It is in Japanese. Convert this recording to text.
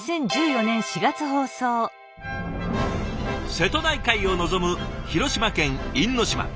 瀬戸内海を望む広島県因島。